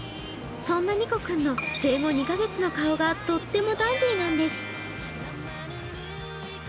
そんなニコくんの生後２カ月の顔がとってもダンディーなんです。